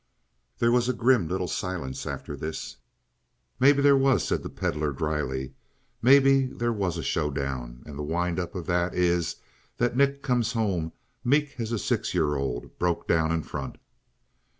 There was a grim little silence after this. "Maybe there was," said the Pedlar dryly. "Maybe there was a showdown and the wind up of it is that Nick comes home meek as a six year old broke down in front."